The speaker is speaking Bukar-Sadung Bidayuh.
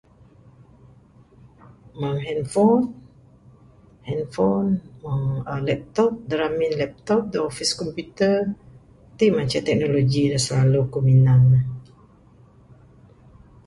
Mung handphone-handphone aaa laptop dak remin laptop, office computer ti mah ceh teknologi dak selalu ku minan ne.